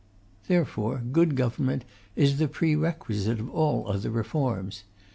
Therefore good government is the prerequisite of all other reforms.